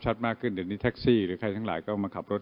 มากขึ้นเดี๋ยวนี้แท็กซี่หรือใครทั้งหลายก็มาขับรถ